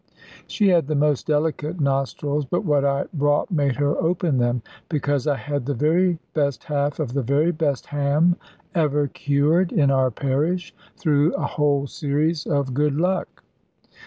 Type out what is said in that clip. She had the most delicate nostrils, but what I brought made her open them. Because I had the very best half of the very best ham ever cured in our parish, through a whole series of good luck.